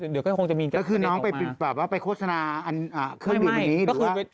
แล้วคือน้องไปโฆษณาเครื่องดื่มนี้หรือว่า